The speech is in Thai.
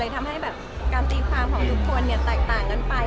ทำให้การตีความของทุกคนต่างไป